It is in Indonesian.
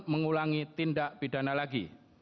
mengulangi tindak pidana lagi